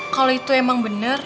kalo itu emang bener